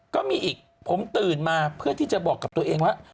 ก็มีอีกผมตื่นมาเพื่อที่จะบอกกับตัวเองว่า